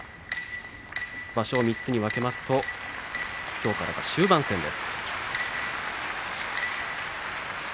場所を３つに分けますときょうから終盤戦です。